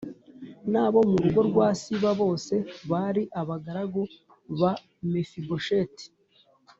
n’abo mu rugo rwa Siba bose bari abagaragu ba Mefibosheti.